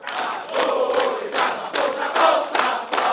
tahu di dalam kostra kostra